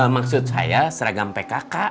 maksud saya seragam pkk